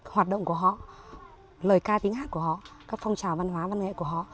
hoạt động của họ lời ca tiếng hát của họ các phong trào văn hóa văn nghệ của họ